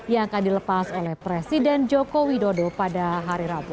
yang akan dilepas oleh presiden joko widodo pada hari rabu